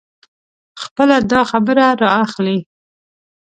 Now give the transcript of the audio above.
خپله داخبره را اخلي.